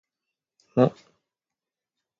も